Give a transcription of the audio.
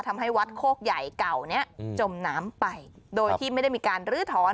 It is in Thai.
ทำให้วัดโคกใหญ่เก่าเนี้ยจมน้ำไปโดยที่ไม่ได้มีการลื้อถอน